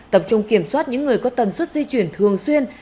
tập trung kiểm soát những người có tần suất di chuyển thường xuyên